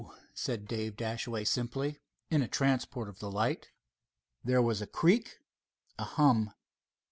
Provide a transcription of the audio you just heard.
said Dave Dashaway simply, in a transport of delight. There was a creak, a hum.